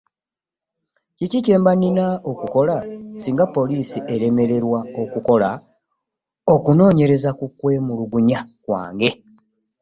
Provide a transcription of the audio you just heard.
Kiki kyemba nina okukola singa poliisi eremererwa okukola okunonyeereza ku kwemulugunya kwange.